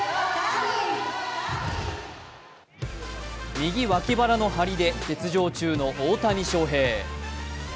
右脇腹の張りで欠場中の大谷翔平。